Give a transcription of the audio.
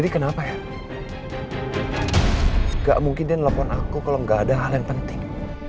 jadi kenapa ya nggak mungkin lepon aku kalau nggak ada hal yang penting